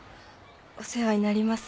お世話になります。